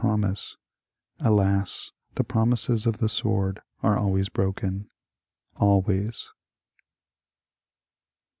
promise. Alas! — th^ promises of the Sword are always broken! Always